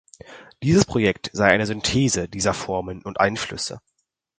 Dieses Projekt sei eine Synthese dieser Formen und Einflüsse.